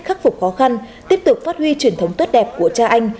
khắc phục khó khăn tiếp tục phát huy truyền thống tốt đẹp của cha anh